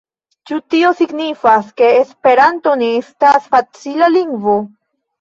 Ĉu tio signifas, ke Esperanto ne estas facila lingvo?